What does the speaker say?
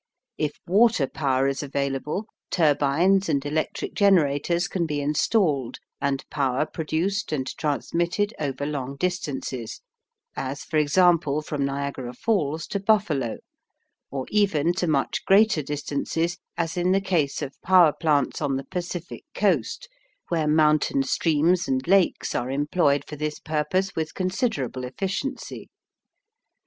If water power is available, turbines and electric generators can be installed and power produced and transmitted over long distances, as, for example, from Niagara Falls to Buffalo, or even to much greater distances as in the case of power plants on the Pacific coast where mountain streams and lakes are employed for this purpose with considerable efficiency.